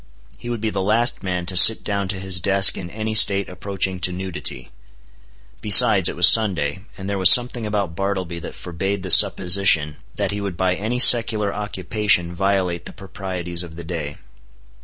He would be the last man to sit down to his desk in any state approaching to nudity. Besides, it was Sunday; and there was something about Bartleby that forbade the supposition that he would by any secular occupation violate the proprieties of the day.